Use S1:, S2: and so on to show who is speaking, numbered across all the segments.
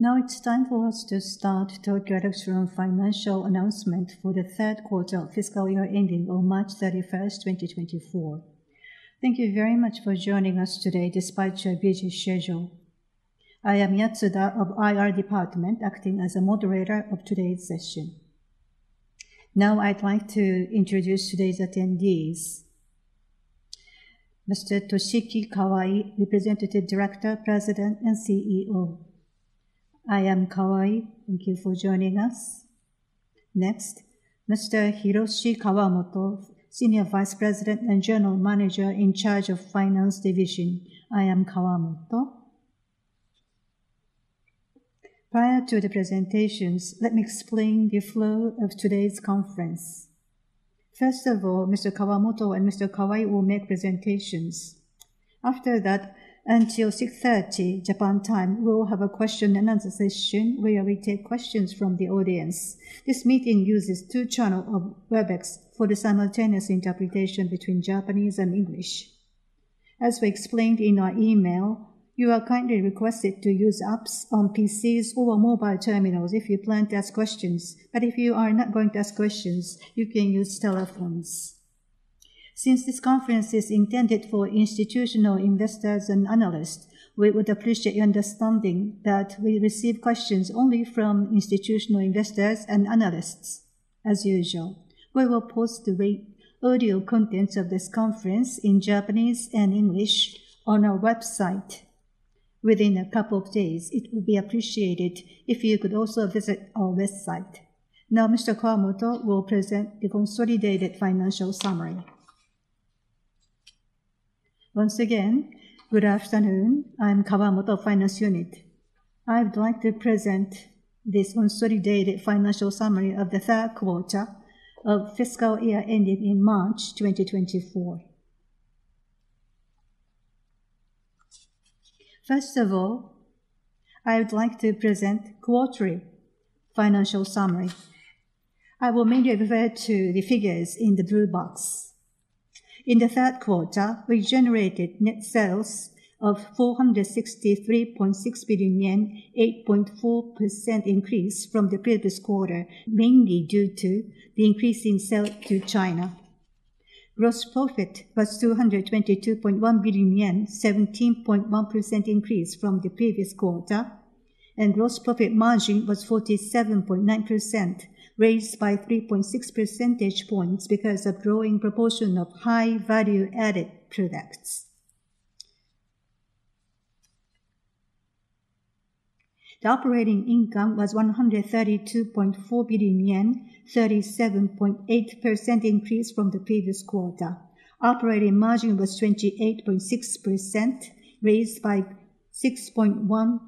S1: Now it's time for us to start Tokyo Electron financial announcement for the third quarter of fiscal year ending on March 31, 2024. Thank you very much for joining us today despite your busy schedule. I am Yatsuda of IR Department, acting as a moderator of today's session. Now, I'd like to introduce today's attendees. Ms. Toshiki Kawai, Representative Director, President, and CEO.
S2: I am Kawai. Thank you for joining us.
S1: Next, Ms. Hiroshi Kawamoto, Senior Vice President and General Manager in charge of Finance Division.
S3: I am Kawamoto.
S1: Prior to the presentations, let me explain the flow of today's conference. First of all, Ms. Kawamoto and Ms. Kawai will make presentations. After that, until 6:30 Japan time, we'll have a question and answer session, where we take questions from the audience. This meeting uses two channel of WebEx for the simultaneous interpretation between Japanese and English. As we explained in our email, you are kindly requested to use apps on PCs or mobile terminals if you plan to ask questions. But if you are not going to ask questions, you can use telephones. Since this conference is intended for institutional investors and analysts, we would appreciate your understanding that we receive questions only from institutional investors and analysts as usual. We will post the recorded audio contents of this conference in Japanese and English on our website within a couple of days. It would be appreciated if you could also visit our website. Now, Ms. Kawamoto will present the consolidated financial summary.
S3: Once again, good afternoon. I'm Kawamoto, Finance Unit. I would like to present this consolidated financial summary of the third quarter of fiscal year ending in March 2024. First of all, I would like to present quarterly financial summary. I will mainly refer to the figures in the blue box. In the third quarter, we generated net sales of 463.6 billion yen, 8.4% increase from the previous quarter, mainly due to the increase in sale to China. Gross profit was 222.1 billion yen, 17.1% increase from the previous quarter, and gross profit margin was 47.9%, raised by 3.6 percentage points because of growing proportion of high value-added products. The operating income was 132.4 billion yen, 37.8% increase from the previous quarter. Operating margin was 28.6%, raised by 6.1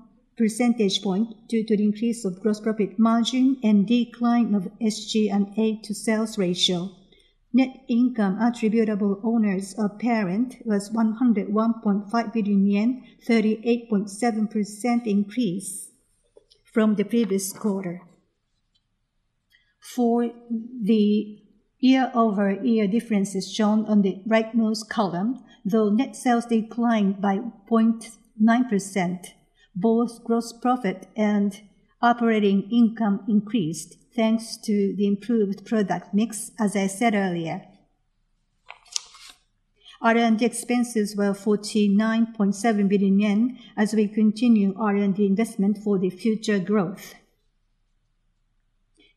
S3: percentage point due to the increase of gross profit margin and decline of SG&A to sales ratio. Net income attributable to owners of parent was 101.5 billion yen, 38.7% increase from the previous quarter. For the year-over-year differences shown on the rightmost column, though net sales declined by 0.9%, both gross profit and operating income increased, thanks to the improved product mix, as I said earlier. R&D expenses were 49.7 billion yen, as we continue R&D investment for the future growth.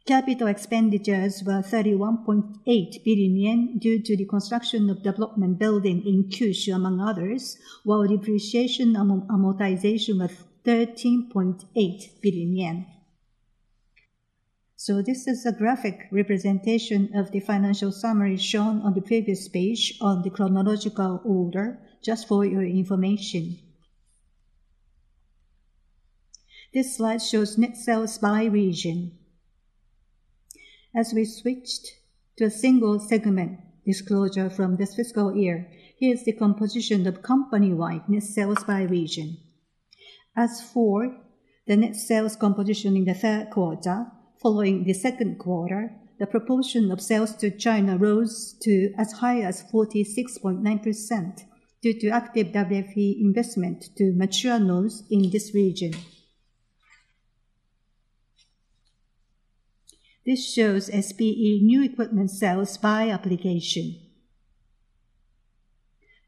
S3: Capital expenditures were 31.8 billion yen due to the construction of development building in Kyushu, among others, while depreciation and amortization was 13.8 billion yen. So this is a graphic representation of the financial summary shown on the previous page on the chronological order, just for your information. This slide shows net sales by region. As we switched to a single segment disclosure from this fiscal year, here is the composition of company-wide net sales by region. As for the net sales composition in the third quarter, following the second quarter, the proportion of sales to China rose to as high as 46.9% due to active WFE investment to mature nodes in this region. This shows SPE new equipment sales by application.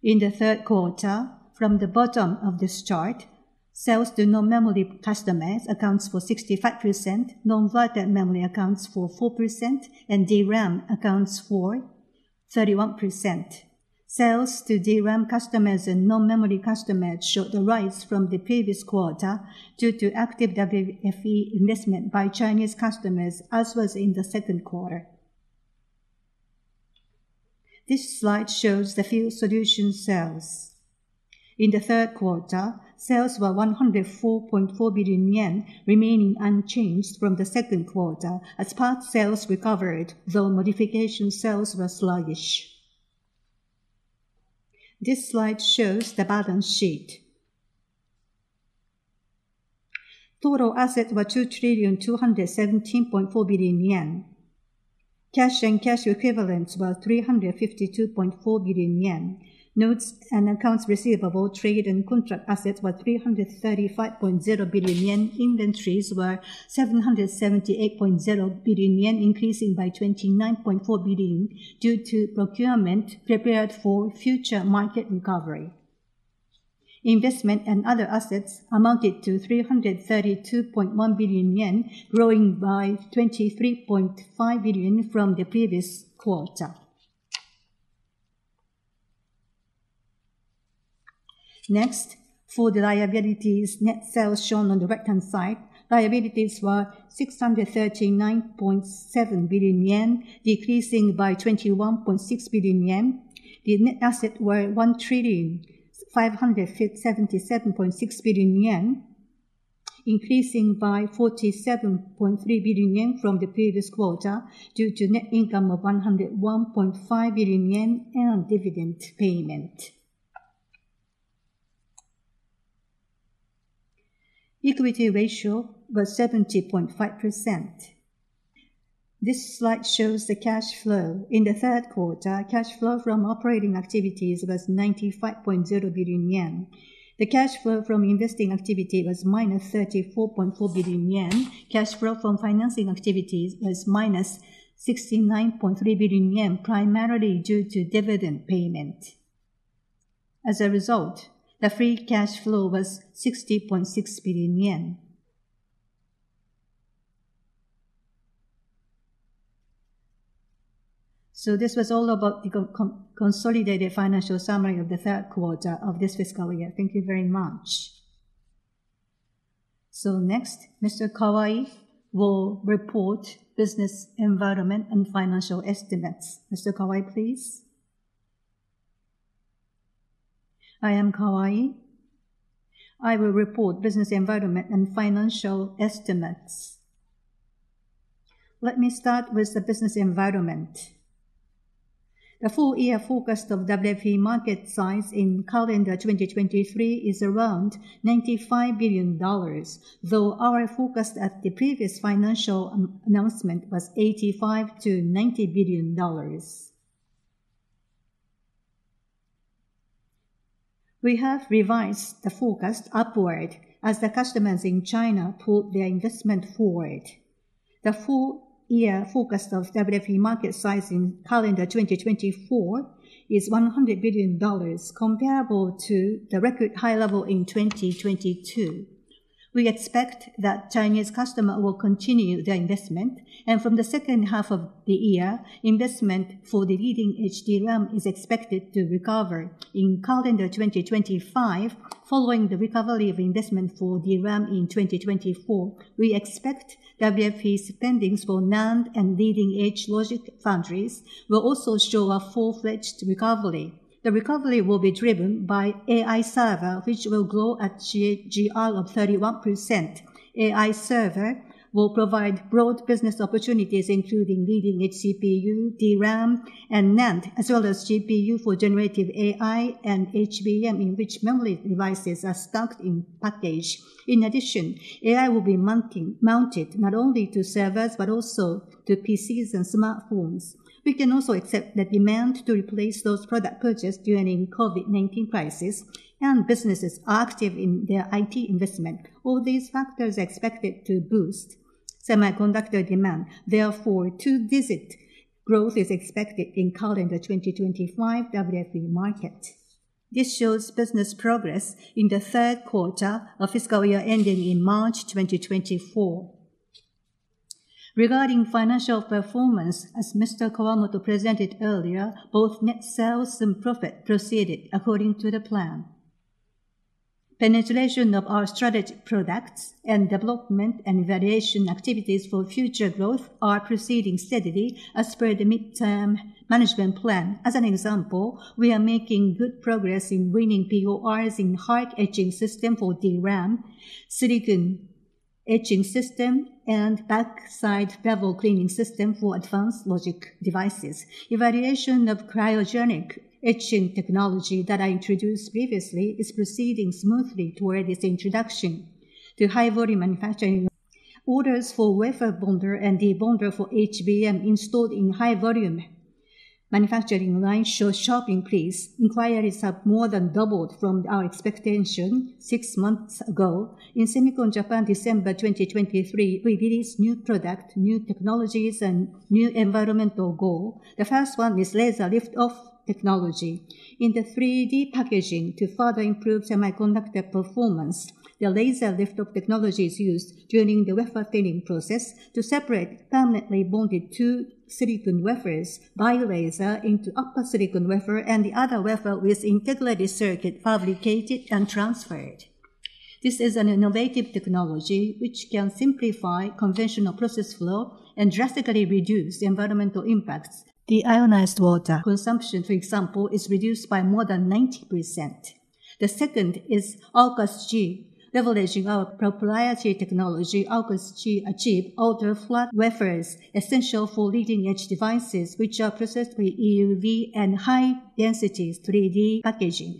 S3: In the third quarter, from the bottom of this chart, sales to non-memory customers accounts for 65%, non-volatile memory accounts for 4%, and DRAM accounts for 31%. Sales to DRAM customers and non-memory customers showed the rise from the previous quarter due to active WFE investment by Chinese customers, as was in the second quarter. This slide shows the field solution sales. In the third quarter, sales were 104.4 billion yen, remaining unchanged from the second quarter, as parts sales recovered, though modification sales were sluggish. This slide shows the balance sheet. Total assets were 2,217.4 billion yen. Cash and cash equivalents were 352.4 billion yen. Notes and accounts receivable, trade and contract assets were 335.0 billion yen. Inventories were 778.0 billion yen, increasing by 29.4 billion, due to procurement prepared for future market recovery. Investment and other assets amounted to 332.1 billion yen, growing by 23.5 billion from the previous quarter. Next, for the liabilities, net sales shown on the right-hand side, liabilities were 639.7 billion yen, decreasing by 21.6 billion yen. The net assets were 1,577.6 billion yen, increasing by 47.3 billion yen from the previous quarter, due to net income of 101.5 billion yen and dividend payment. Equity ratio was 70.5%. This slide shows the cash flow. In the third quarter, cash flow from operating activities was 95.0 billion yen. The cash flow from investing activity was -34.4 billion yen. Cash flow from financing activities was -69.3 billion yen, primarily due to dividend payment. As a result, the free cash flow was 60.6 billion yen. So this was all about the consolidated financial summary of the third quarter of this fiscal year. Thank you very much. So next, Ms. Kawai will report business environment and financial estimates. Ms. Kawai, please.
S2: I am Kawai. I will report business environment and financial estimates. Let me start with the business environment. The full year forecast of WFE market size in calendar 2023 is around $95 billion, though our forecast at the previous financial announcement was $85 billion - $90 billion. We have revised the forecast upward as the customers in China pulled their investment forward. The full year forecast of WFE market size in calendar 2024 is $100 billion, comparable to the record high level in 2022. We expect that Chinese customer will continue their investment, and from the second half of the year, investment for the leading HBM is expected to recover. In calendar 2025, following the recovery of investment for DRAM in 2024, we expect WFE's spendings for NAND and leading-edge logic foundries will also show a full-fledged recovery. The recovery will be driven by AI server, which will grow at a CAGR of 31%. AI server will provide broad business opportunities, including leading-edge CPU, DRAM, and NAND, as well as GPU for Generative AI and HBM, in which memory devices are stacked in package. In addition, AI will be mounted not only to servers, but also to PCs and smartphones. We can also accept the demand to replace those product purchased during COVID-19 crisis, and businesses are active in their IT investment. All these factors are expected to boost semiconductor demand. Therefore, two-digit growth is expected in calendar 2025 WFE market. This shows business progress in the third quarter of fiscal year ending in March 2024. Regarding financial performance, as Ms. Kawamoto presented earlier, both net sales and profit proceeded according to the plan. Penetration of our strategic products and development and evaluation activities for future growth are proceeding steadily as per the midterm management plan. As an example, we are making good progress in winning PORs in high etching system for DRAM, silicon etching system, and backside bevel cleaning system for advanced logic devices. Evaluation of cryogenic etching technology that I introduced previously is proceeding smoothly toward its introduction to high-volume manufacturing. Orders for wafer bonder and debonder for HBM installed in high-volume manufacturing lines show sharp increase. Inquiries have more than doubled from our expectation six months ago. In SEMICON Japan, December 2023, we released new product, new technologies, and new environmental goal. The first one is laser lift-off technology. In the 3D packaging, to further improve semiconductor performance, the laser lift-off technology is used during the wafer thinning process to separate permanently bonded two silicon wafers by laser into upper silicon wafer and the other wafer with integrated circuit fabricated and transferred. This is an innovative technology which can simplify conventional process flow and drastically reduce the environmental impacts. Deionized water consumption, for example, is reduced by more than 90%.... The second is Ulucus G. Leveraging our proprietary technology, Ulucus G achieve ultra-flat wafers, essential for leading-edge devices, which are processed with EUV and high-density 3D packaging.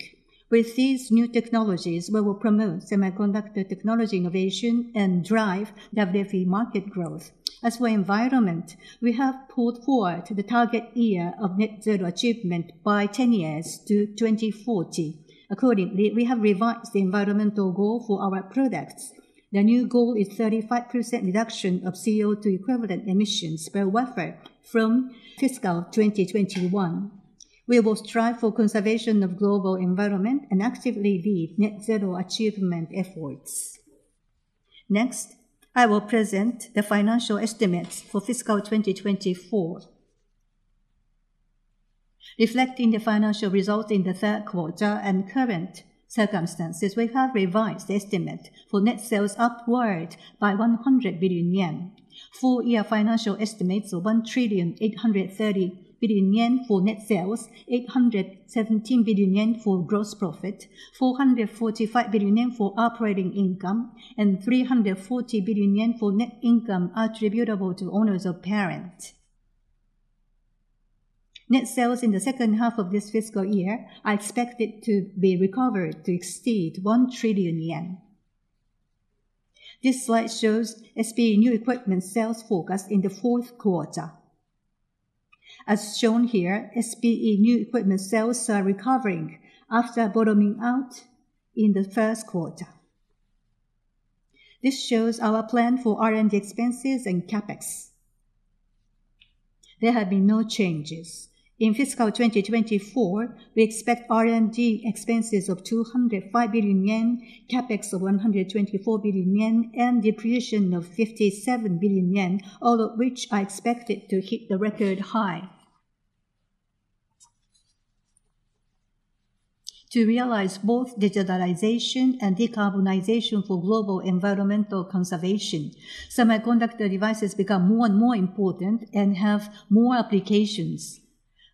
S2: With these new technologies, we will promote semiconductor technology innovation and drive WFE market growth. As for environment, we have pulled forward the target year of net zero achievement by 10 years to 2040. Accordingly, we have revised the environmental goal for our products. The new goal is 35% reduction of CO2 equivalent emissions per wafer from fiscal 2021. We will strive for conservation of global environment and actively lead net zero achievement efforts. Next, I will present the financial estimates for fiscal 2024. Reflecting the financial results in the third quarter and current circumstances, we have revised the estimate for net sales upward by 100 billion yen. Full-year financial estimates of 1,830 billion yen for net sales, 817 billion yen for gross profit, 445 billion yen for operating income, and 340 billion yen for net income attributable to owners of parent. Net sales in the second half of this fiscal year are expected to be recovered to exceed 1 trillion yen. This slide shows SPE new equipment sales forecast in the fourth quarter. As shown here, SPE new equipment sales are recovering after bottoming out in the first quarter. This shows our plan for R&D expenses and CapEx. There have been no changes. In fiscal 2024, we expect R&D expenses of 205 billion yen, CapEx of 124 billion yen, and depreciation of 57 billion yen, all of which are expected to hit the record high. To realize both digitalization and decarbonization for global environmental conservation, semiconductor devices become more and more important and have more applications.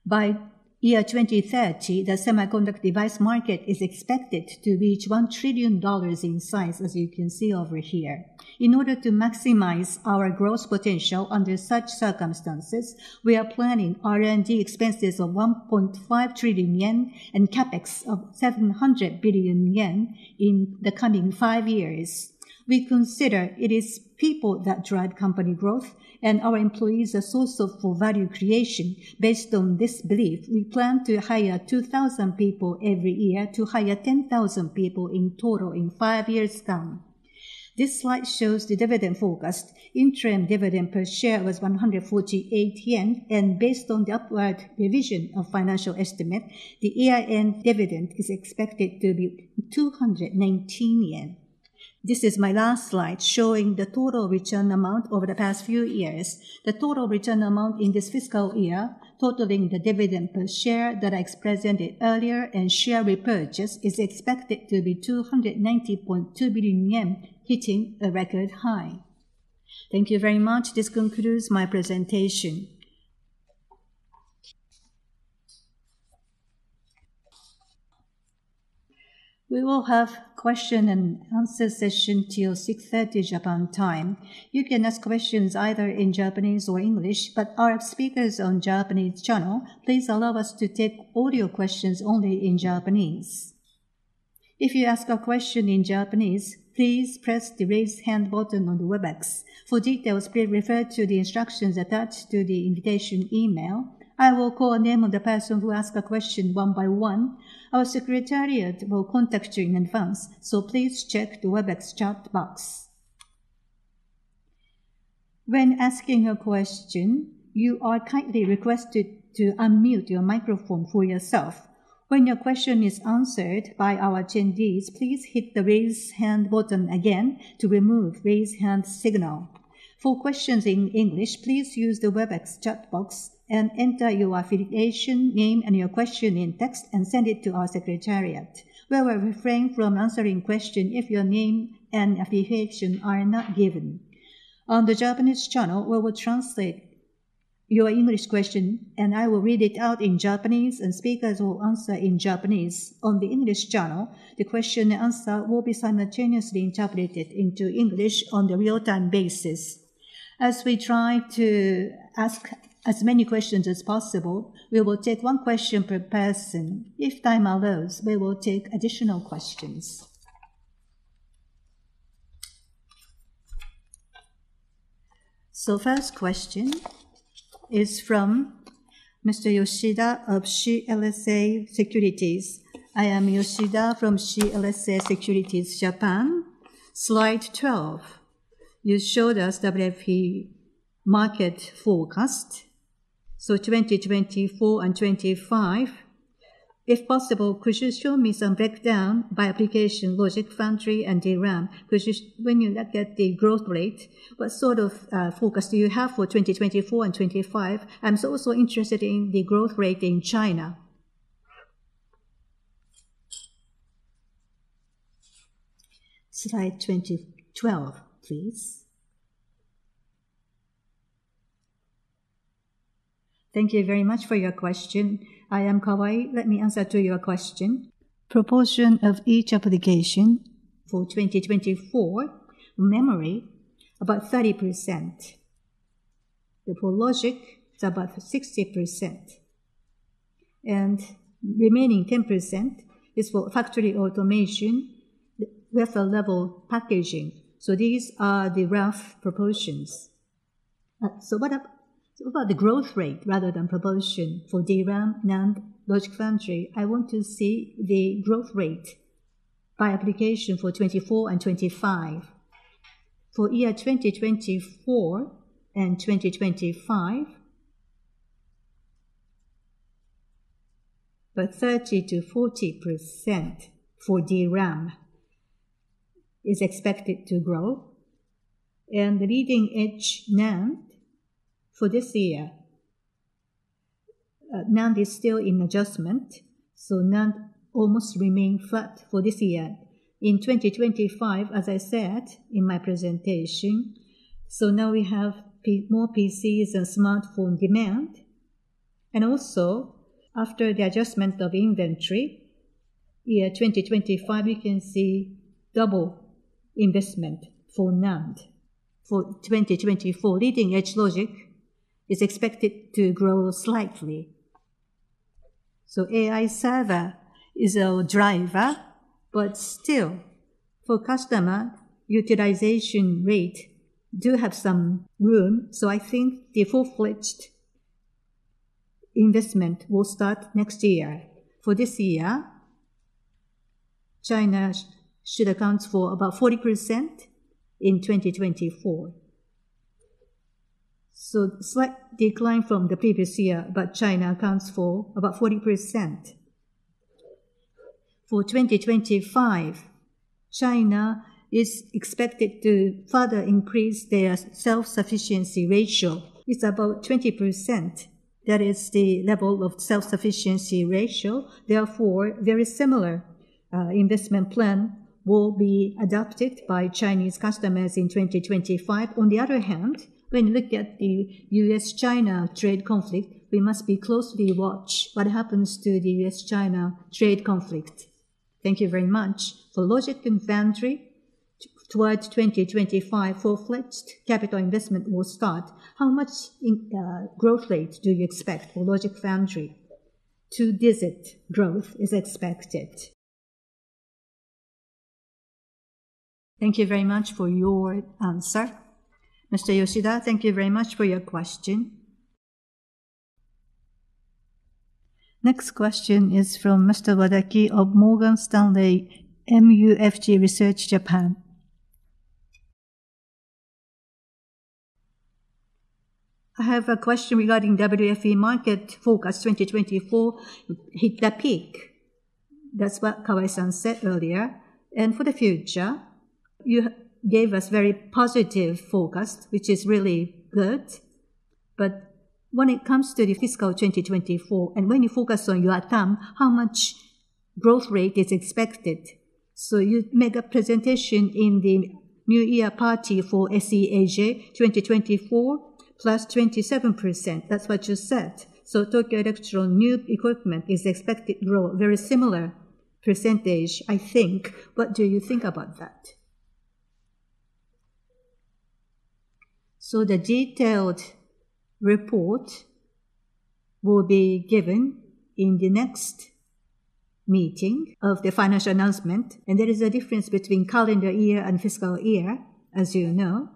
S2: By year 2030, the semiconductor device market is expected to reach $1 trillion in size, as you can see over here. In order to maximize our growth potential under such circumstances, we are planning R&D expenses of 1.5 trillion yen and CapEx of 700 billion yen in the coming 5 years. We consider it is people that drive company growth, and our employees are source of for value creation. Based on this belief, we plan to hire 2,000 people every year, to hire 10,000 people in total in 5 years' time. This slide shows the dividend forecast. Interim dividend per share was 148 yen, and based on the upward revision of financial estimate, the year-end dividend is expected to be 219 yen. This is my last slide, showing the total return amount over the past few years. The total return amount in this fiscal year, totaling the dividend per share that I presented earlier and share repurchase, is expected to be 290.2 billion yen, hitting a record high. Thank you very much. This concludes my presentation.
S1: We will have question and answer session till 6:30 Japan time. You can ask questions either in Japanese or English, but our speakers on Japanese channel, please allow us to take audio questions only in Japanese. If you ask a question in Japanese, please press the Raise Hand button on the WebEx. For details, please refer to the instructions attached to the invitation email. I will call the name of the person who ask a question one by one. Our secretariat will contact you in advance, so please check the WebEx chat box. When asking a question, you are kindly requested to unmute your microphone for yourself. When your question is answered by our attendees, please hit the Raise Hand button again to remove raise hand signal. For questions in English, please use the WebEx chat box and enter your affiliation, name, and your question in text and send it to our secretariat. We will refrain from answering question if your name and affiliation are not given. On the Japanese channel, we will translate your English question, and I will read it out in Japanese, and speakers will answer in Japanese. On the English channel, the question and answer will be simultaneously interpreted into English on the real-time basis. As we try to ask as many questions as possible, we will take one question per person. If time allows, we will take additional questions. So first question is from Mr. Yoshida of CLSA Securities. I am Yoshida from CLSA Securities, Japan. Slide 12, you showed us WFE market forecast, so 2024 and 2025. If possible, could you show me some breakdown by application, logic, foundry, and DRAM? Because when you look at the growth rate, what sort of forecast do you have for 2024 and 2025? I'm also interested in the growth rate in China.
S2: Slide 12, please. Thank you very much for your question. I am Kawai. Let me answer to your question. Proportion of each application for 2024, memory, about 30%. For logic, it's about 60%. And remaining 10% is for factory automation, wafer level packaging. So these are the rough proportions. So what up, so about the growth rate rather than proportion for DRAM, NAND, logic foundry, I want to see the growth rate by application for 2024 and 2025. For year 2024 and 2025, about 30%-40% for DRAM is expected to grow. And the leading-edge NAND for this year, NAND is still in adjustment, so NAND almost remain flat for this year. In 2025, as I said in my presentation, so now we have more PCs than smartphone demand. And also, after the adjustment of inventory, year 2025, you can see double investment for NAND. For 2024, leading-edge logic is expected to grow slightly. So AI server is our driver, but still, for customer, utilization rate do have some room, so I think the full-fledged investment will start next year. For this year, China should account for about 40% in 2024. So slight decline from the previous year, but China accounts for about 40%. For 2025, China is expected to further increase their self-sufficiency ratio. It's about 20%, that is the level of self-sufficiency ratio. Therefore, very similar, investment plan will be adopted by Chinese customers in 2025. On the other hand, when you look at the U.S.-China trade conflict, we must be closely watch what happens to the U.S.-China trade conflict.
S1: Thank you very much. For logic and foundry, towards 2025, full-fledged capital investment will start. How much in, growth rate do you expect for logic foundry?
S2: Two-digit growth is expected.
S1: Thank you very much for your answer. Mr. Yoshida, thank you very much for your question. Next question is from Mr. Wadaki of Morgan Stanley MUFG Research Japan. I have a question regarding WFE market forecast. 2024 hit the peak. That's what Kawai-san said earlier. And for the future, you gave us very positive forecast, which is really good. But when it comes to the fiscal 2024, and when you focus on your term, how much growth rate is expected? So you made a presentation in the New Year party for SEAJ, 2024, +27%. That's what you said. So Tokyo Electron new equipment is expected to grow very similar percentage, I think. What do you think about that?
S2: So the detailed report will be given in the next meeting of the financial announcement, and there is a difference between calendar year and fiscal year, as you know.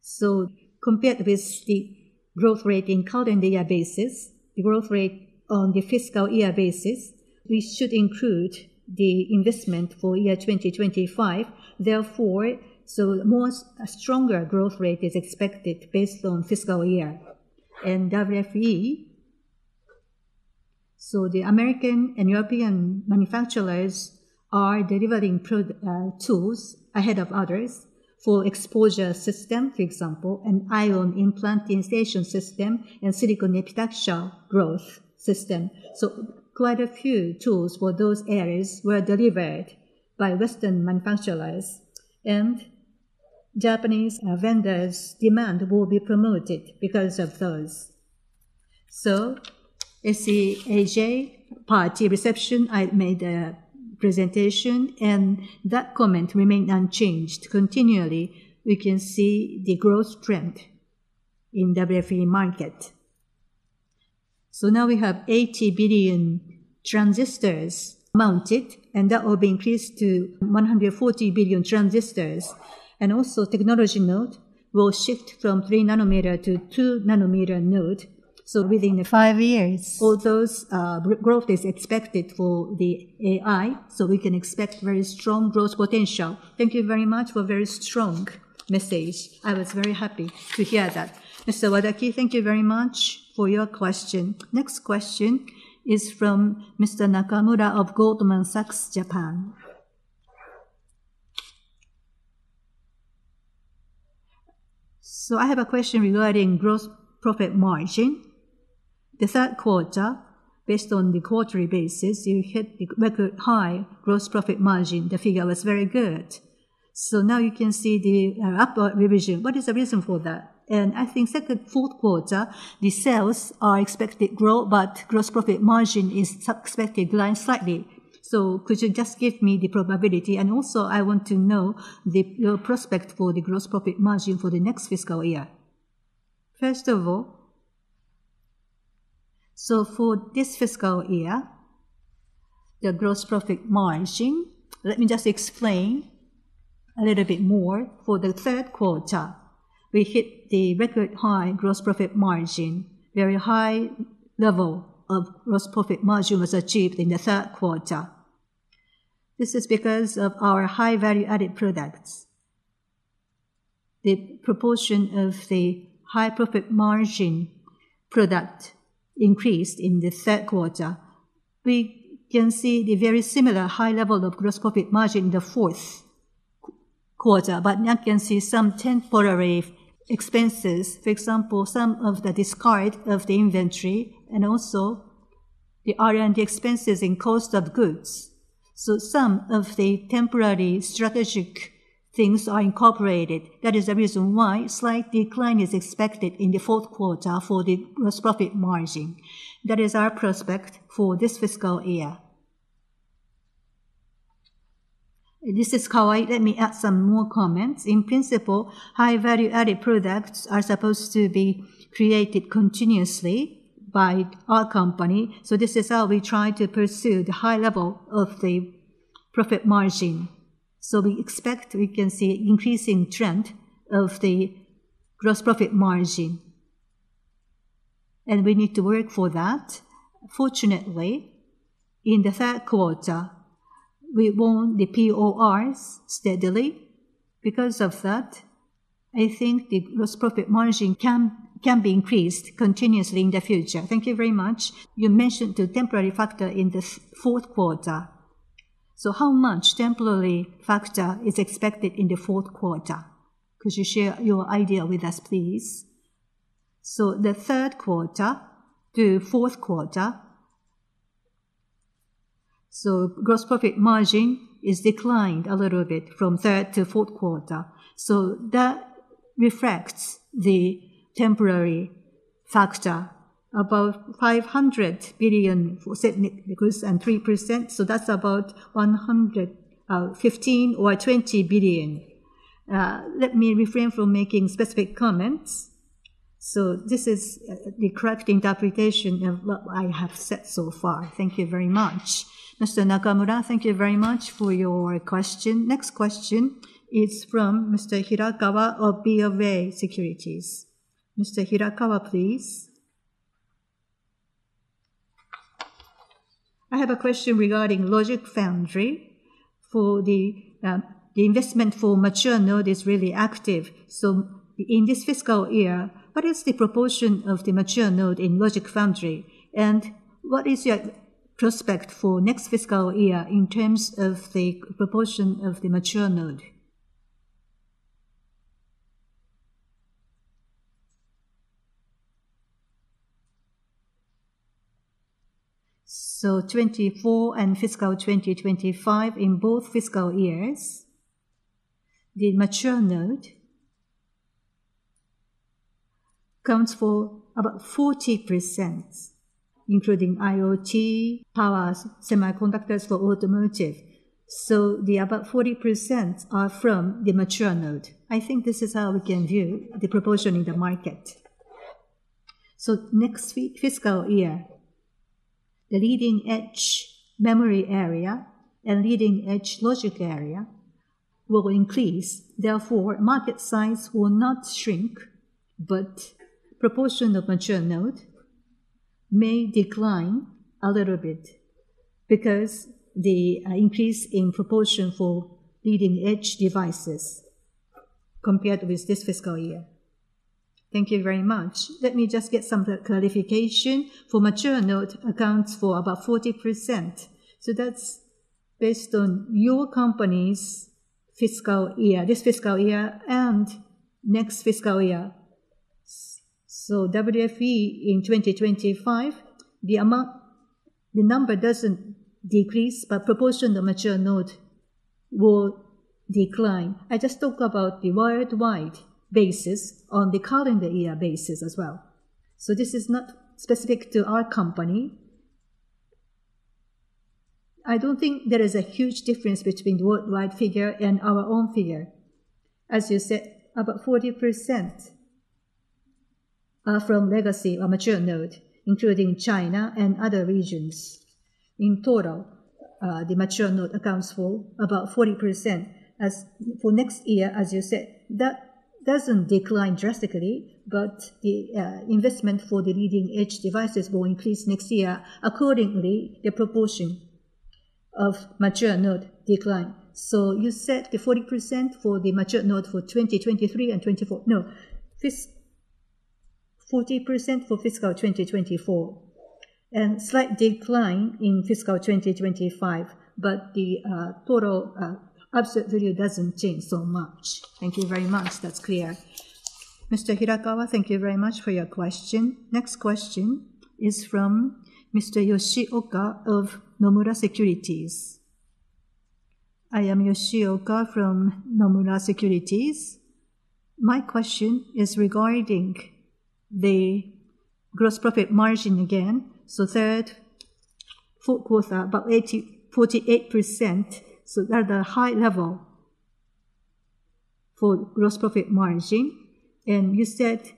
S2: So compared with the growth rate in calendar year basis, the growth rate on the fiscal year basis, we should include the investment for year 2025. Therefore, so more stronger growth rate is expected based on fiscal year. And WFE, so the American and European manufacturers are delivering tools ahead of others for exposure system, for example, and ion implantation system, and silicon epitaxial growth system. So quite a few tools for those areas were delivered by Western manufacturers, and Japanese vendors' demand will be promoted because of those. So SEAJ party reception, I made a presentation, and that comment remained unchanged. Continually, we can see the growth trend in WFE market. So now we have 80 billion transistors mounted, and that will be increased to 140 billion transistors. And also, the technology node will shift from 3-nm to 2-nm node, so within the 5 years, all those growth is expected for the AI, so we can expect very strong growth potential.
S1: Thank you very much for very strong message. I was very happy to hear that. Mr. Wadaki, thank you very much for your question. Next question is from Mr. Nakamura of Goldman Sachs Japan. So I have a question regarding gross profit margin. The third quarter, based on the quarterly basis, you hit a record high gross profit margin. The figure was very good. So now you can see the upward revision. What is the reason for that? And I think fourth quarter, the sales are expected to grow, but gross profit margin is expected to decline slightly. So could you just give me the probability? Also, I want to know the, your prospect for the gross profit margin for the next fiscal year.
S2: First of all, for this fiscal year, the gross profit margin, let me just explain a little bit more. For the third quarter, we hit the record high gross profit margin. Very high level of gross profit margin was achieved in the third quarter. This is because of our high value-added products. The proportion of the high profit margin product increased in the third quarter. We can see the very similar high level of gross profit margin in the fourth quarter, but now you can see some temporary expenses. For example, some of the discard of the inventory and also the R&D expenses in cost of goods. Some of the temporary strategic things are incorporated. That is the reason why slight decline is expected in the fourth quarter for the gross profit margin. That is our prospect for this fiscal year. This is Kawai. Let me add some more comments. In principle, high value-added products are supposed to be created continuously by our company, so this is how we try to pursue the high level of the profit margin. So we expect we can see increasing trend of the gross profit margin, and we need to work for that. Fortunately, in the third quarter, we won the PORs steadily. Because of that, I think the gross profit margin can be increased continuously in the future.
S4: Thank you very much. You mentioned the temporary factor in the fourth quarter. So how much temporary factor is expected in the fourth quarter? Could you share your idea with us, please?
S2: So the third quarter to fourth quarter, so gross profit margin is declined a little bit from third to fourth quarter. So that reflects the temporary factor, about 500 billion for the yen, Nikkei and 3%, so that's about 115 billion or 120 billion. Let me refrain from making specific comments. So this is the correct interpretation of what I have said so far.
S1: Thank you very much. Mr. Nakamura, thank you very much for your question. Next question is from Mr. Hirakawa of BofA Securities. Mr. Hirakawa, please. I have a question regarding logic foundry. For the investment for mature node is really active. So in this fiscal year, what is the proportion of the mature node in logic foundry? And what is your prospect for next fiscal year in terms of the proportion of the mature node?
S2: So 2024 and fiscal 2025, in both fiscal years, the mature node comes for about 40%, including IoT, power semiconductors for automotive. So about 40% are from the mature node. I think this is how we can view the proportion in the market. So next fiscal year, the leading-edge memory area and leading-edge logic area will increase. Therefore, market size will not shrink, but proportion of mature node may decline a little bit because the increase in proportion for leading-edge devices compared with this fiscal year.
S5: Thank you very much. Let me just get some clarification. For mature node accounts for about 40%, so that's based on your company's fiscal year, this fiscal year and next fiscal year. So WFE in 2025, the amount, the number doesn't decrease, but proportion of mature node will decline. I just talked about the worldwide basis, on the calendar year basis as well. So this is not specific to our company. I don't think there is a huge difference between the worldwide figure and our own figure. As you said, about 40% are from legacy or mature node, including China and other regions. In total, the mature node accounts for about 40%. For next year, as you said, that doesn't decline drastically, but the investment for the leading-edge devices will increase next year. Accordingly, the proportion of mature node decline. So you said the 40% for the mature node for 2023 and 2024?
S2: No. 40% for fiscal 2024, and slight decline in fiscal 2025, but the total absolute value doesn't change so much. Thank you very much. That's clear.... Mr. Hirakawa, thank you very much for your question. Next question is from Mr. Yoshioka of Nomura Securities. I am Yoshioka from Nomura Securities. My question is regarding the gross profit margin again. So third, fourth quarter, about 84.8%, so that's a high level for gross profit margin. And you said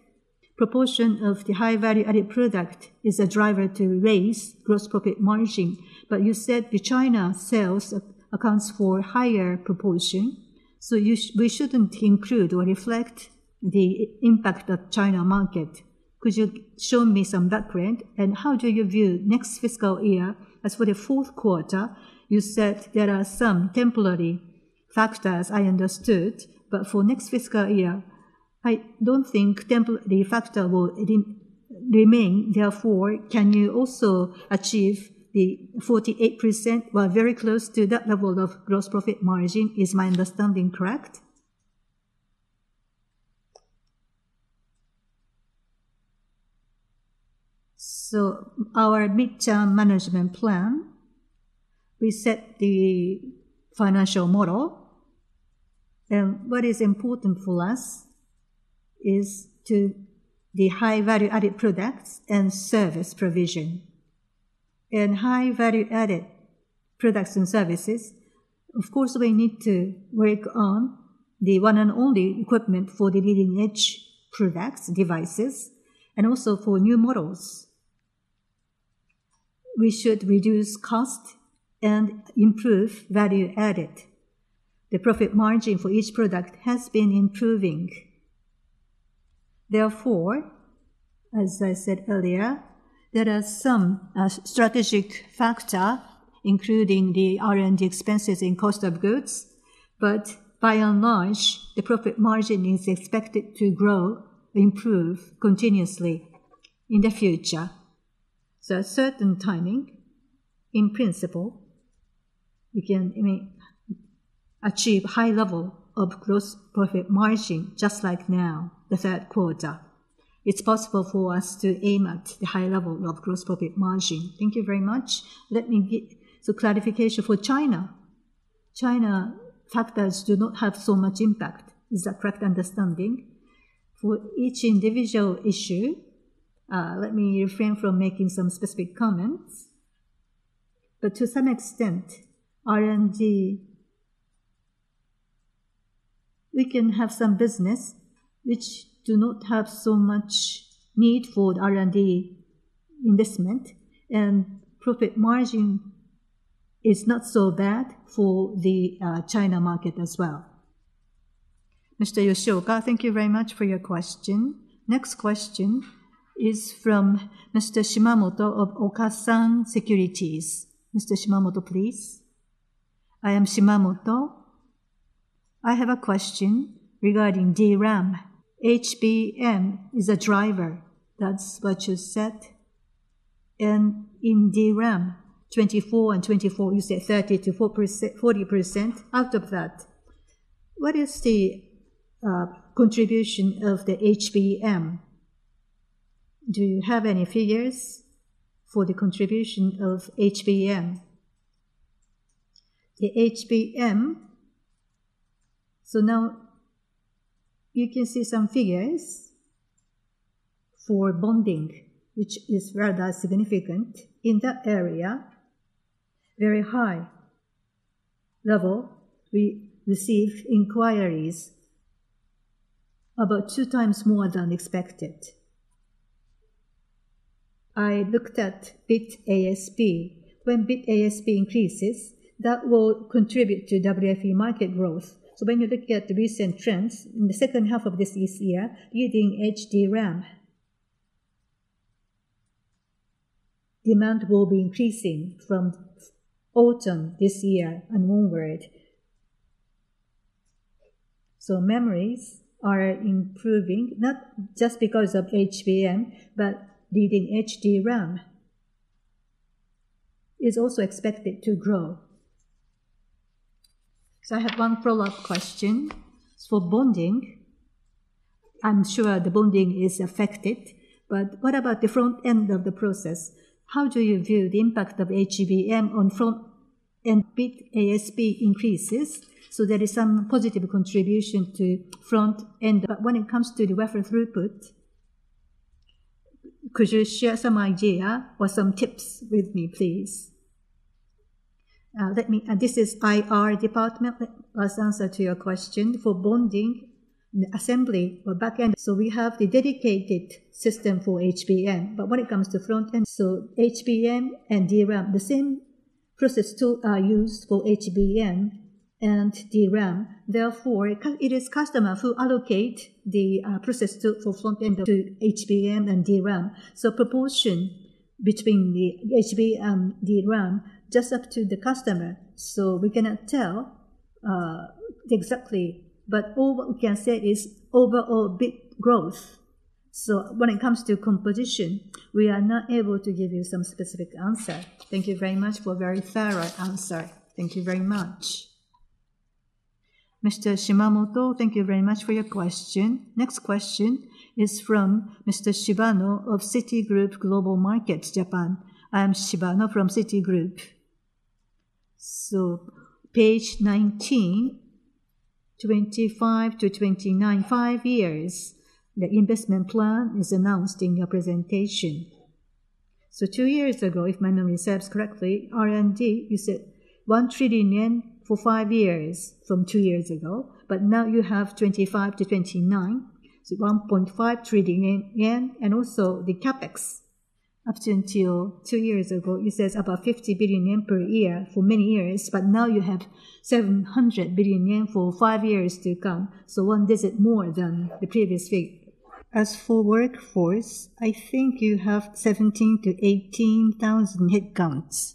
S2: proportion of the high value-added product is a driver to raise gross profit margin, but you said the China sales accounts for higher proportion, so we shouldn't include or reflect the impact of China market. Could you show me some background? And how do you view next fiscal year? As for the fourth quarter, you said there are some temporary factors, I understood. But for next fiscal year, I don't think the factor will remain. Therefore, can you also achieve the 48%, or very close to that level of gross profit margin? Is my understanding correct? So our mid-term management plan, we set the financial model, and what is important for us is to the high value-added products and service provision. In high value-added products and services, of course, we need to work on the one and only equipment for the leading-edge products, devices, and also for new models. We should reduce cost and improve value added. The profit margin for each product has been improving. Therefore, as I said earlier, there are some, strategic factor, including the R&D expenses in cost of goods, but by and large, the profit margin is expected to grow, improve continuously in the future. So at certain timing, in principle, we can, I mean, achieve high level of gross profit margin, just like now, the third quarter. It's possible for us to aim at the high level of gross profit margin. Thank you very much.
S6: So clarification for China. China factors do not have so much impact. Is that correct understanding?
S2: For each individual issue, let me refrain from making some specific comments. But to some extent, R&D, we can have some business which do not have so much need for R&D investment, and profit margin is not so bad for the China market as well.
S1: Mr. Yoshioka, thank you very much for your question. Next question is from Mr. Shimamoto of Okasan Securities. Mr. Shimamoto, please. I am Shimamoto. I have a question regarding DRAM. HBM is a driver, that's what you said, and in DRAM, 2024 and 2024, you said 30%-40%. Out of that, what is the contribution of the HBM? Do you have any figures for the contribution of HBM?
S2: The HBM, so now you can see some figures for bonding, which is rather significant. In that area, very high level, we receive inquiries about two times more than expected. I looked at bit ASP. When bit ASP increases, that will contribute to WFE market growth. So when you look at the recent trends, in the second half of this year, leading DRAM, demand will be increasing from autumn this year and onward. So memories are improving, not just because of HBM, but leading DRAM is also expected to grow.
S1: So I have one follow-up question. For bonding, I'm sure the bonding is affected, but what about the front end of the process? How do you view the impact of HBM on front end bit ASP increases, so there is some positive contribution to front end? But when it comes to the wafer throughput, could you share some idea or some tips with me, please? This is IR department. Let us answer to your question. For bonding, the assembly or back end, so we have the dedicated system for HBM. But when it comes to front end, so HBM and DRAM, the same process tool are used for HBM and DRAM. Therefore, it is customer who allocate the process tool for front end to HBM and DRAM. So proportion between the HBM, DRAM, just up to the customer, so we cannot tell exactly. But all what we can say is overall bit growth. So when it comes to composition, we are not able to give you some specific answer. Thank you very much for a very thorough answer. Thank you very much, Mr. Shimamoto. Thank you very much for your question. Next question is from Mr. Shibano of Citigroup Global Markets Japan. I am Shibano from Citigroup. Page 19, 25-29, 5 years, the investment plan is announced in your presentation. Two years ago, if my memory serves correctly, R&D, you said 1 trillion yen for 5 years from two years ago, but now you have 25-29, so 1.5 trillion yen. And also the CapEx, up to until two years ago, you said about 50 billion yen per year for many years, but now you have 700 billion yen for 5 years to come, so one visit more than the previous figure. As for workforce, I think you have 17-18,000 headcounts.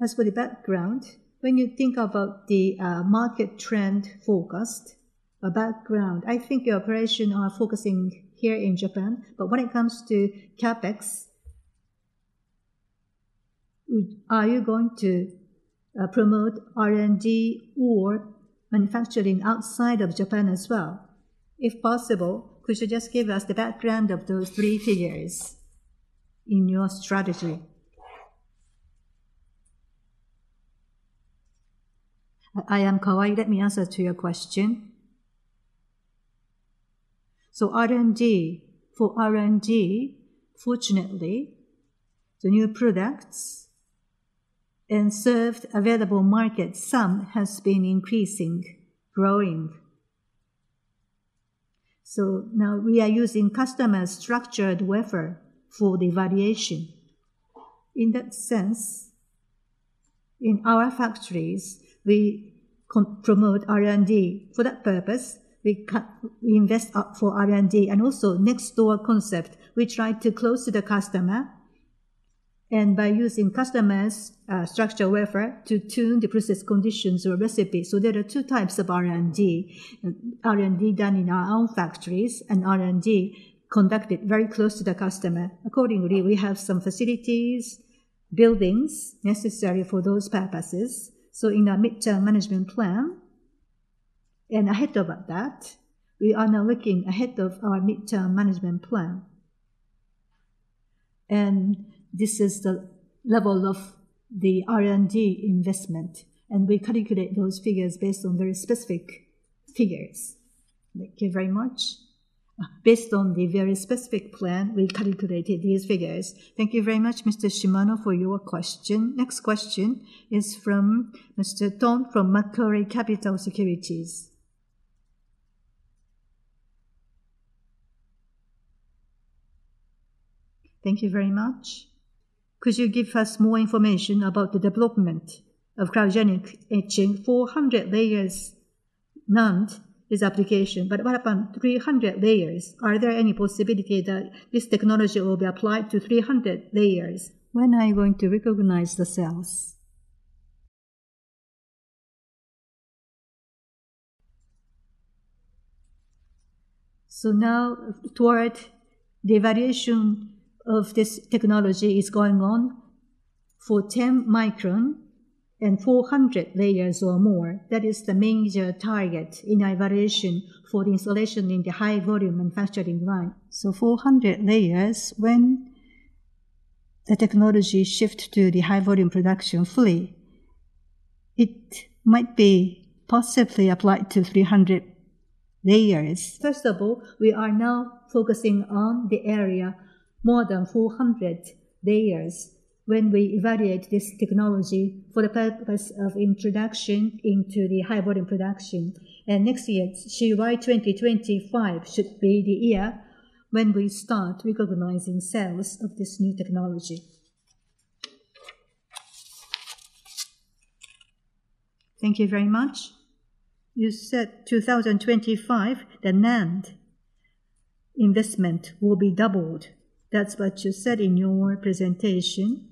S1: As for the background, when you think about the market trend forecast, a background, I think your operation are focusing here in Japan, but when it comes to CapEx, are you going to promote R&D or manufacturing outside of Japan as well? If possible, could you just give us the background of those three figures in your strategy?
S2: I am Kawai. Let me answer to your question. So R&D... For R&D, fortunately, the new products and served available market, some has been increasing, growing. So now we are using customer structured wafer for the evaluation. In that sense, in our factories, we promote R&D. For that purpose, we invest up for R&D and also next door concept. We try to close to the customer, and by using customers structure wafer to tune the process conditions or recipes. So there are two types of R&D: R&D done in our own factories and R&D conducted very close to the customer. Accordingly, we have some facilities, buildings necessary for those purposes. So in our mid-term management plan, and ahead about that, we are now looking ahead of our mid-term management plan, and this is the level of the R&D investment, and we calculate those figures based on very specific figures. Thank you very much. Based on the very specific plan, we calculated these figures.
S1: Thank you very much, Mr. Shimamoto, for your question. Next question is from Mr. Thong from Macquarie Capital Securities. Thank you very much. Could you give us more information about the development of cryogenic etching? 400-layer NAND is application, but what about 300 layers? Are there any possibility that this technology will be applied to 300 layers? When are you going to recognize the sales?
S2: So now, toward the evaluation of this technology is going on for 10-micron and 400 layers or more. That is the major target in our evaluation for the installation in the high volume manufacturing line. So 400 layers, when the technology shift to the high volume production fully, it might be possibly applied to 300 layers. First of all, we are now focusing on the area more than 400 layers when we evaluate this technology for the purpose of introduction into the high volume production. And next year, CY 2025 should be the year when we start recognizing sales of this new technology.
S1: Thank you very much. You said 2025, the NAND investment will be doubled. That's what you said in your presentation.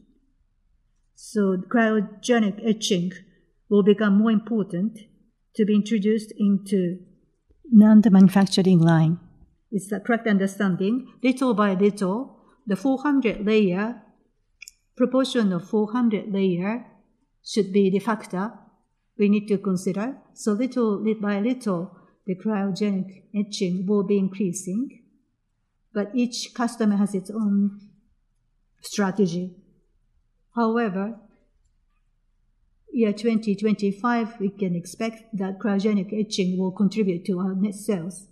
S1: So cryogenic etching will become more important to be introduced into NAND manufacturing line. Is that correct understanding?
S2: Little by little, the 400 layer, proportion of 400 layer should be the factor we need to consider. So little bit by little, the cryogenic etching will be increasing, but each customer has its own strategy. However, year 2025, we can expect that cryogenic etching will contribute to our net sales.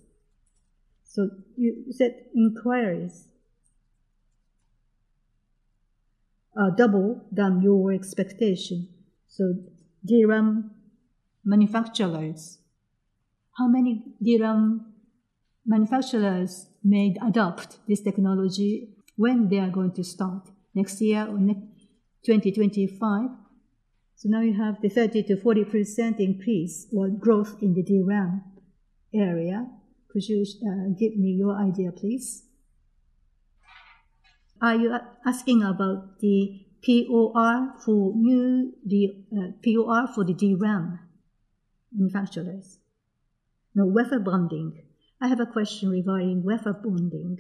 S1: So you said inquiries are double than your expectation. So DRAM manufacturers, how many DRAM manufacturers may adopt this technology? When they are going to start, next year or next 2025? So now you have the 30%-40% increase or growth in the DRAM area. Could you give me your idea, please? Are you asking about the POR for new, the POR for the DRAM manufacturers?
S2: No, wafer bonding.
S7: I have a question regarding wafer bonding.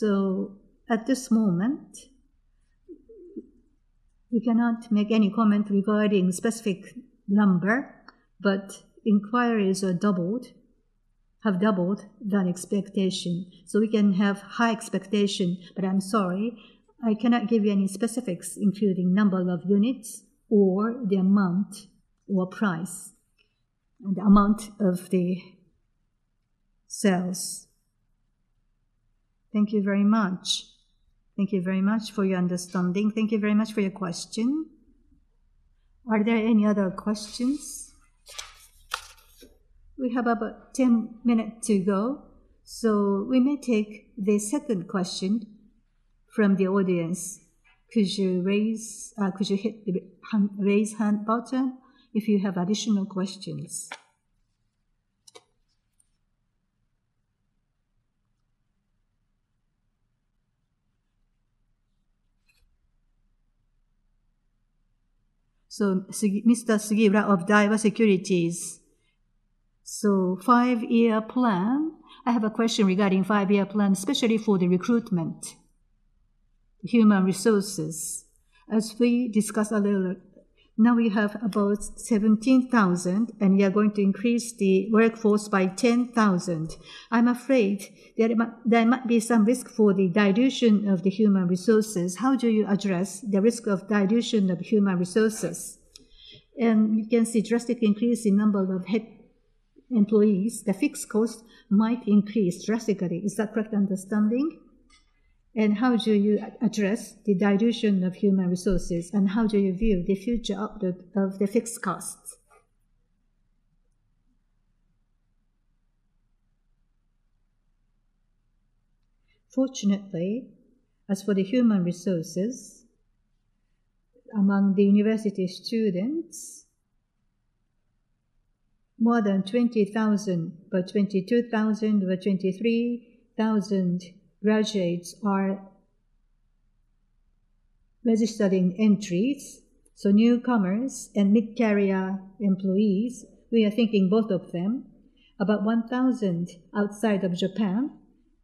S2: So at this moment, we cannot make any comment regarding specific number, but inquiries are doubled, have doubled than expectation, so we can have high expectation. But I'm sorry, I cannot give you any specifics, including number of units or the amount or price, and the amount of the sales. Thank you very much.
S1: Thank you very much for your understanding. Thank you very much for your question. Are there any other questions? We have about 10 minutes to go, so we may take the second question from the audience. Could you raise, could you hit the hand, raise hand button if you have additional questions? So Sugiura—Mr. Sugiura of Daiwa Securities. So five-year plan, I have a question regarding five-year plan, especially for the recruitment, human resources. As we discussed earlier, now we have about 17,000, and we are going to increase the workforce by 10,000. I'm afraid there might, there might be some risk for the dilution of the human resources. How do you address the risk of dilution of human resources? And you can see drastic increase in number of head employees, the fixed cost might increase drastically. Is that correct understanding? And how do you address the dilution of human resources, and how do you view the future outlook of the fixed costs?
S2: Fortunately, as for the human resources, among the university students, more than 20,000, or 22,000, or 23,000 graduates are registered in entries. So newcomers and mid-career employees, we are thinking both of them, about 1,000 outside of Japan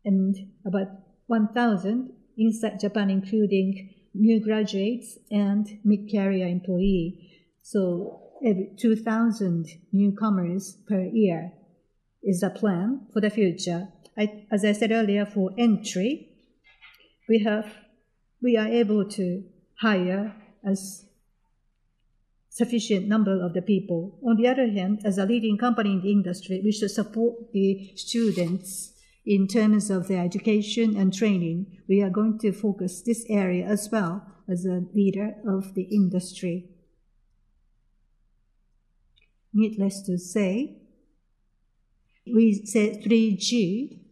S2: and about 1,000 inside Japan, including new graduates and mid-career employee.
S1: So every 2,000 newcomers per year is the plan for the future. As I said earlier, for entry, we have... We are able to hire as sufficient number of the people. On the other hand, as a leading company in the industry, we should support the students in terms of their education and training. We are going to focus this area as well as a leader of the industry. Needless to say, we said three G.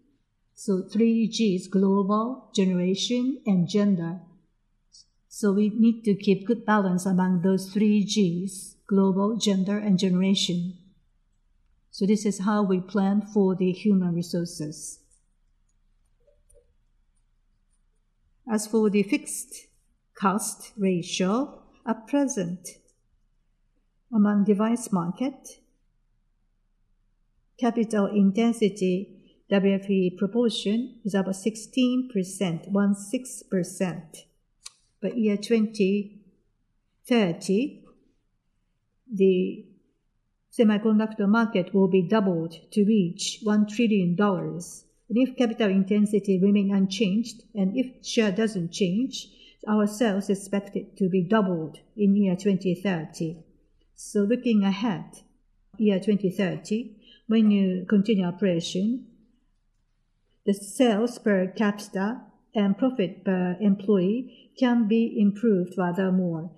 S1: So three Gs, Global, Generation, and Gender. So we need to keep good balance among those three Gs, Global, Gender, and Generation. So this is how we plan for the human resources.
S3: As for the fixed cost ratio, at present, among device market, capital intensity, WFE proportion is about 16%, 16%. By year 2030, the semiconductor market will be doubled to reach $1 trillion. If capital intensity remain unchanged, and if share doesn't change, our sales expected to be doubled in year 2030. So looking ahead, year 2030, when you continue operation, the sales per capita and profit per employee can be improved furthermore,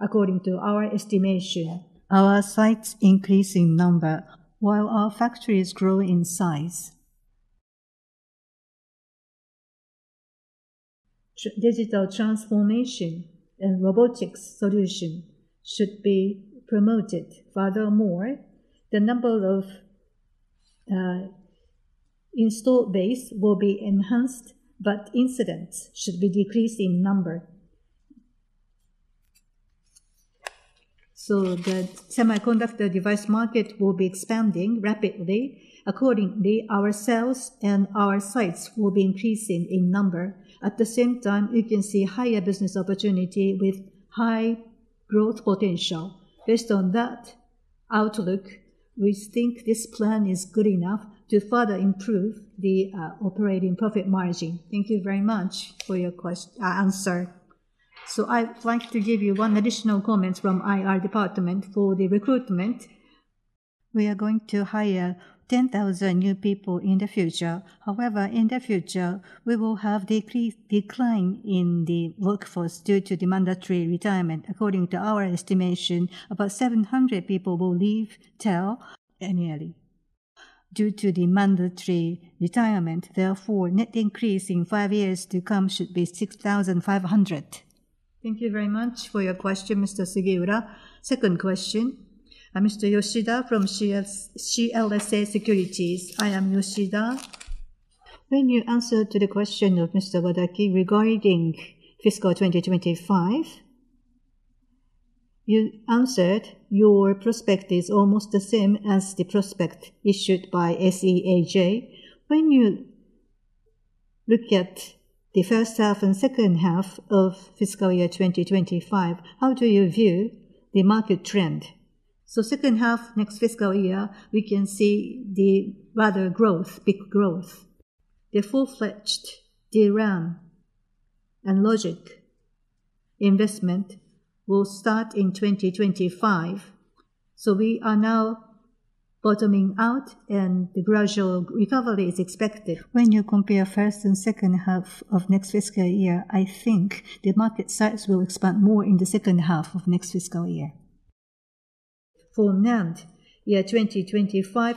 S3: according to our estimation. Our sites increase in number, while our factories grow in size. Digital transformation and robotics solution should be promoted. Furthermore, the number of installed base will be enhanced, but incidents should be decreased in number. So the semiconductor device market will be expanding rapidly. Accordingly, our sales and our sites will be increasing in number. At the same time, we can see higher business opportunity with high growth potential. Based on that outlook, we think this plan is good enough to further improve the operating profit margin.
S1: Thank you very much for your question, answer. So I'd like to give you one additional comment from IR department for the recruitment. We are going to hire 10,000 new people in the future. However, in the future, we will have decline in the workforce due to the mandatory retirement. According to our estimation, about 700 people will leave TEL annually due to the mandatory retirement, therefore, net increase in 5 years to come should be 6,500. Thank you very much for your question, Mr. Sugiura. Second question, Mr. Yoshida from CLSA Securities. I am Yoshida. When you answered to the question of Mr. Wadaki regarding fiscal 2025, you answered your prospect is almost the same as the prospect issued by SEAJ. When you look at the first half and second half of fiscal year 2025, how do you view the market trend?
S2: So second half, next fiscal year, we can see the robust growth, big growth. The full-fledged DRAM and logic investment will start in 2025, so we are now bottoming out, and the gradual recovery is expected. When you compare first and second half of next fiscal year, I think the market size will expand more in the second half of next fiscal year. For NAND, year 2025,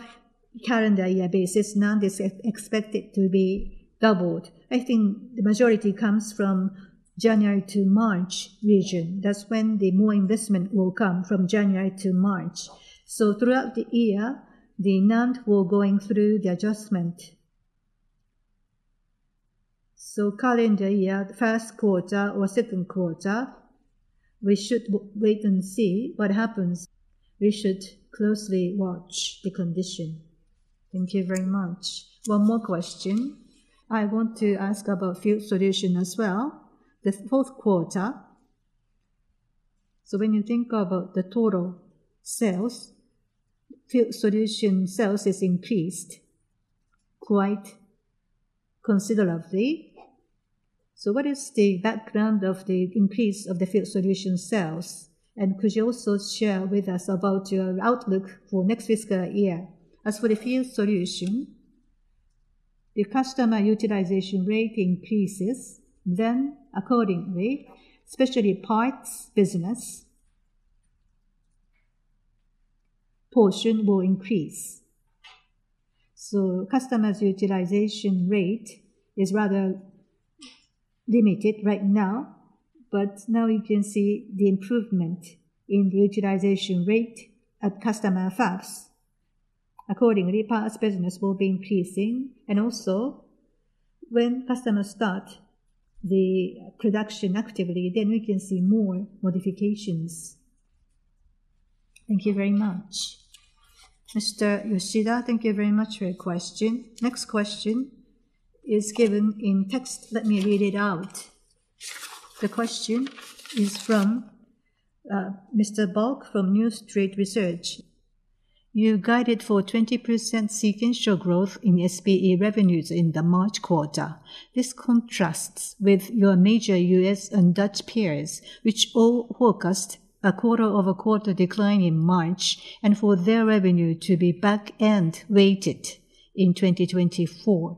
S2: calendar year basis, NAND is expected to be doubled. I think the majority comes from January to March region. That's when the more investment will come, from January to March. So throughout the year, the NAND will going through the adjustment. So calendar year, first quarter or second quarter, we should wait and see what happens. We should closely watch the condition.
S1: Thank you very much. One more question. I want to ask about field solutions as well. The fourth quarter, so when you think about the total sales, field solution sales is increased quite considerably. So what is the background of the increase of the field solution sales? And could you also share with us about your outlook for next fiscal year?
S2: As for the field solution, the customer utilization rate increases, then accordingly, especially parts business, portion will increase. So customers' utilization rate is rather limited right now, but now you can see the improvement in the utilization rate at customer fabs. Accordingly, parts business will be increasing, and also when customers start the production actively, then we can see more modifications.
S1: Thank you very much. Mr. Yoshida, thank you very much for your question. Next question is given in text. Let me read it out. The question is from Mr. Bulk from New Street Research. You guided for 20% sequential growth in SBE revenues in the March quarter. This contrasts with your major US and Dutch peers, which all forecast a quarter-over-quarter decline in March, and for their revenue to be back-end weighted in 2024.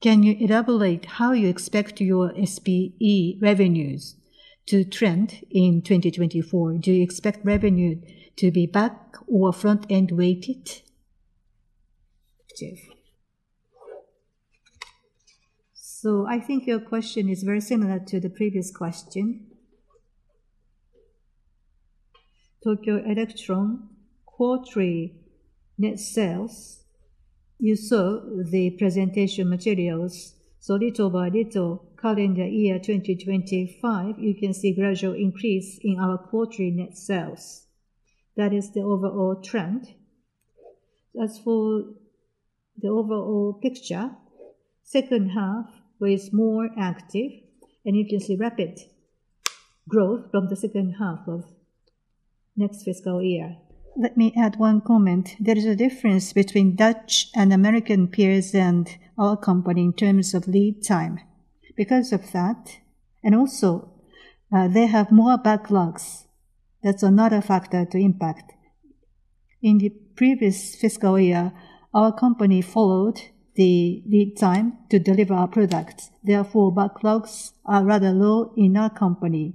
S1: Can you elaborate how you expect your SBE revenues to trend in 2024? Do you expect revenue to be back or front-end weighted?"
S2: So I think your question is very similar to the previous question. Tokyo Electron quarterly net sales, you saw the presentation materials, so little by little, calendar year 2025, you can see gradual increase in our quarterly net sales. That is the overall trend. As for the overall picture, second half was more active, and you can see rapid growth from the second half of next fiscal year.
S3: Let me add one comment. There is a difference between Dutch and American peers and our company in terms of lead time. Because of that, and also, they have more backlogs. That's another factor to impact. In the previous fiscal year, our company followed the lead time to deliver our products, therefore, backlogs are rather low in our company.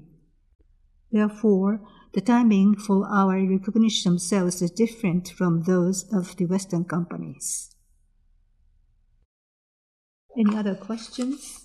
S3: Therefore, the timing for our recognition sales is different from those of the Western companies.
S1: Any other questions?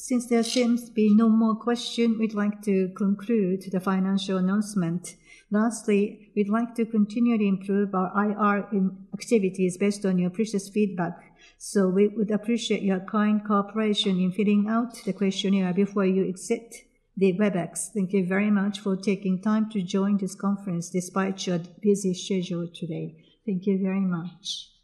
S1: Since there seems to be no more question, we'd like to conclude the financial announcement. Lastly, we'd like to continually improve our IR activities based on your precious feedback. So we would appreciate your kind cooperation in filling out the questionnaire before you exit the WebEx. Thank you very much for taking time to join this conference despite your busy schedule today. Thank you very much.